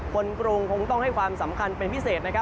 กรุงคงต้องให้ความสำคัญเป็นพิเศษ